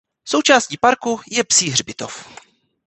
Součástí parku je psí hřbitov.